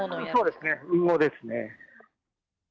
そうですね、隠語ですね。